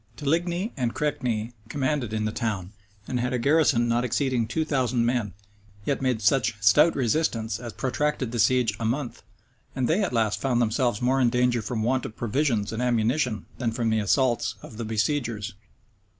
Teligni and Crequi commanded in the town, and had a garrison not exceeding two thousand men; yet made they such stout resistance as protracted the siege a month; and they at last found themselves more in danger from want of provisions and ammunition than from the assaults of the besiegers.